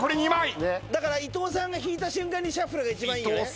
だから伊藤さんが引いた瞬間にシャッフルが一番いいよね。